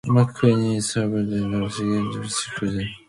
McQueeney is served by the Seguin Independent School District.